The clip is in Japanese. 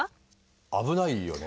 危ないよね。